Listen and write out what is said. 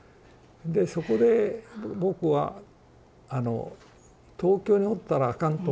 でそこで僕は「東京におったらあかん」と思ったんですよね